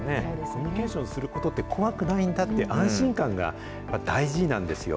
コミュニケーションすることって、怖くないんだって安心感が大事なんですよ。